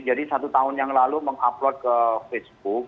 jadi satu tahun yang lalu mengupload ke facebook